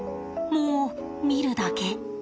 もう見るだけ。